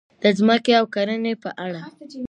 د ځمکې او کرنې په اړه: